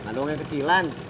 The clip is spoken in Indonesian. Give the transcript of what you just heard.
nggak doang yang kecilan